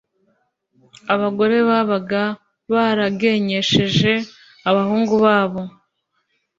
abagore babaga baragenyesheje abahungu babo